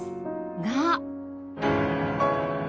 が